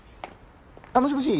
もしもし。